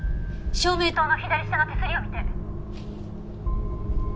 「照明塔の左下の手すりを見て」